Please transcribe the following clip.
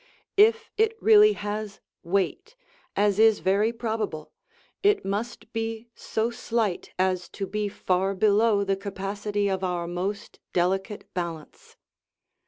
If it really has weight, as is very probable, it must be so slight as to be far below the capacity of our most delicate balance.